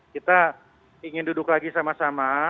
kita ingin duduk lagi sama sama